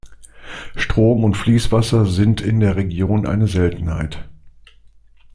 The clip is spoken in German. Strom und Fließwasser sind in der Region eine Seltenheit.